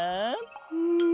うん。